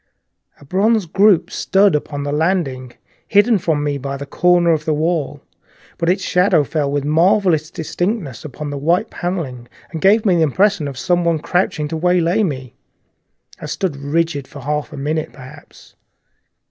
A bronze group stood upon the landing hidden from me by a corner of the wall; but its shadow fell with marvelous distinctness upon the white paneling, and gave me the impression of some one crouching to waylay me. The thing jumped upon my attention suddenly. I stood rigid for half a moment, perhaps.